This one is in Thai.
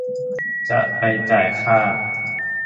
จะไปจ่ายค่า